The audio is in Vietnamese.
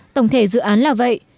tổng thể dự án là vậy